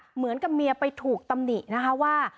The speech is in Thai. เหมือนกับเมียไปถูกตำหนินะคะว่า